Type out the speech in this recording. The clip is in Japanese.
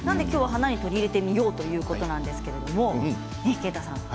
きょうは花に取り入れてみようということなんですけれども。